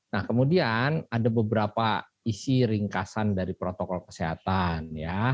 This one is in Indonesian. nah kemudian ada beberapa isi ringkasan dari protokol kesehatan ya